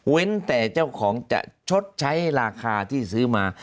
แต่เจ้าของจะชดใช้ราคาที่ซื้อมา